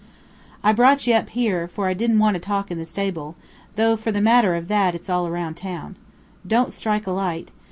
"I brought ye up here, for I didn't want to talk in the stable; though, for the matter of that, it's all round town. Don't strike a light.